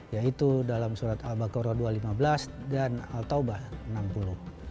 yaitu dalam surat al baqarah dua ratus lima belas dan al taubah enam puluh